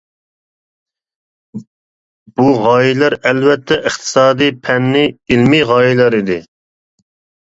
بۇ غايىلەر ئەلۋەتتە، ئىقتىسادىي، پەننىي، ئىلمىي غايىلەر ئىدى.